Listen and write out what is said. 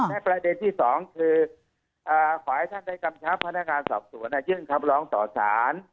และประเด็นที่๒คือขอให้ท่านได้กรรมชาติพนักงานสอบสวนยื่นครับร้องต่อศาล